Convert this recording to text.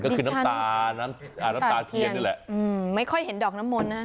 ก็คือน้ำตาน้ำตาเทียนนี่แหละอืมไม่ค่อยเห็นดอกน้ำมนต์นะ